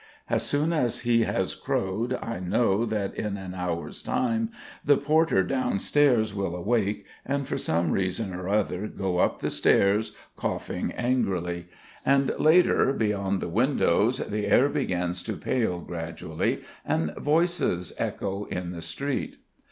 As soon as he has crowed I know that in an hour's time the porter downstairs will awake and for some reason or other go up the stairs, coughing angrily; and later beyond the windows the air begins to pale gradually and voices echo in the street.